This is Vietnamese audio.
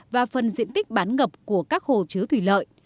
và phần diện tích bán ngập của các hồ chứa thủy lợi